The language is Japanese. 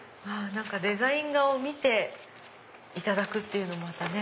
デザイン画を見ていただくっていうのもまたね。